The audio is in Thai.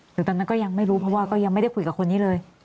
ตอนนั้นก็ยังไม่รู้เพราะว่าก็ยังไม่ได้คุยกับคนนี้เลย